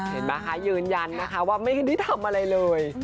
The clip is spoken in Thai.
เห็นไหมคะยืนยันนะคะว่าไม่ได้ทำอะไรเลย